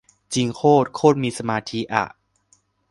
จริงโคตร โคตรมีสมาธิอ่ะ